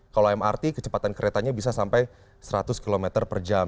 kalau mrt kecepatan keretanya bisa sampai seratus km per jam